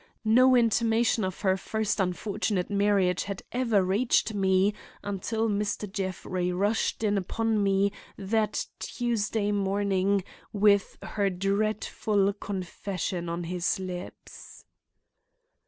No intimation of her first unfortunate marriage had ever reached me till Mr. Jeffrey rushed in upon me that Tuesday morning with her dreadful confession on his lips."